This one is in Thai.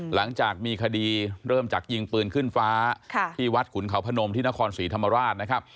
หลังจากมีคดีเริ่มจากยิงปืนขึ้นฟ้าที่วัดขุนเขาพนมที่นครศรีธรรมราชนะครับ